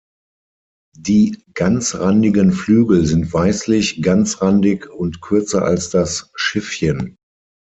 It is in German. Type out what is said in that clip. Die ganzrandigen Flügel sind weißlich, ganzrandig und kürzer als das Schiffchen.